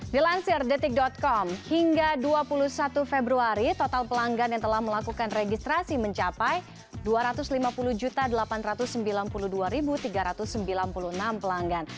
dilansir detik com hingga dua puluh satu februari total pelanggan yang telah melakukan registrasi mencapai dua ratus lima puluh delapan ratus sembilan puluh dua tiga ratus sembilan puluh enam pelanggan